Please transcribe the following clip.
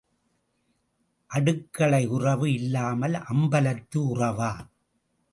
அடுக்களை உறவு இல்லாமல் அம்பலத்து உறவா?